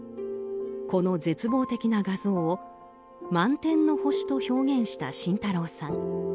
この絶望的な画像を満天の星と表現した慎太郎さん。